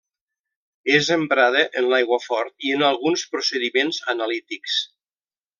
És emprada en l'aiguafort i en alguns procediments analítics.